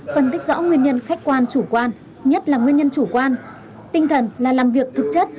phân tích rõ nguyên nhân khách quan chủ quan nhất là nguyên nhân chủ quan tinh thần là làm việc thực chất